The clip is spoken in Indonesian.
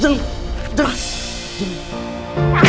jangan letak dia kegeretan kalah